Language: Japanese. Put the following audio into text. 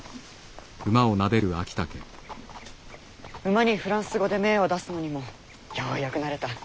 馬にフランス語で命を出すのにもようやく慣れた。